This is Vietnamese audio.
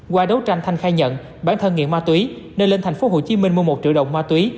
qua đấu tranh thanh khai nhận bán thân nghiện ma túy nên lên thành phố hồ chí minh mua một triệu đồng ma túy